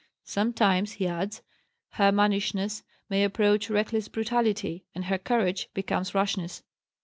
Sometimes, he adds, her mannishness may approach reckless brutality, and her courage becomes rashness.